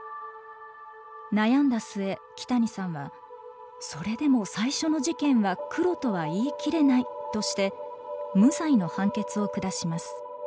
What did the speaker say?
悩んだ末木谷さんは「それでも最初の事件は黒とは言い切れない」として無罪の判決を下します。